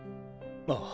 ああ。